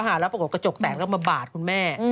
แล้วปรากฏกระจกแตกแล้วมาบาดคุณแม่